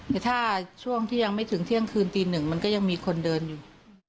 แต่ถ้าช่วงที่ยังไม่ถึงเที่ยงคืนตีหนึ่งมันก็ยังมีคนเดินอยู่